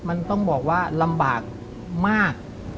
มันต้องบอกว่าลำบากมาก